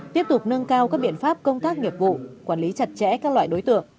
tiếp tục nâng cao các biện pháp công tác nghiệp vụ quản lý chặt chẽ các loại đối tượng